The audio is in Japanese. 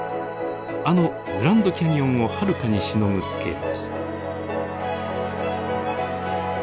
あのグランドキャニオンをはるかにしのぐスケールです。